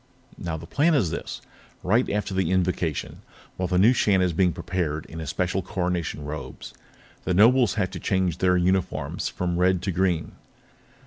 "Now, the plan is this: Right after the Invocation, while the new Shan is being prepared in his special Coronation Robes, the Nobles have to change their uniforms from red to green.